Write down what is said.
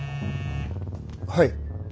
はい。